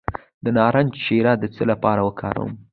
د نارنج شیره د څه لپاره وکاروم؟